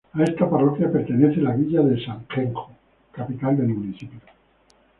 A esta parroquia pertenece la villa de Sangenjo, capital del municipio.